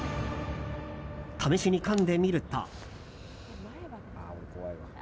試しにかんでみると。